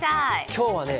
今日はね